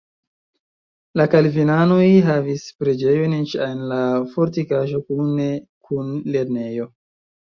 La kalvinanoj havis preĝejon eĉ en la fortikaĵo kune kun lernejo.